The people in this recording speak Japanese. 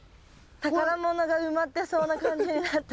宝物が埋まってそうな感じになった。